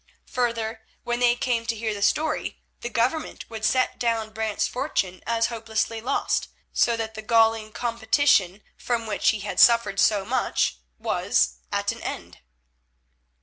Further, when they came to hear the story, the Government would set down Brant's fortune as hopelessly lost, so that the galling competition from which he had suffered so much was at an end.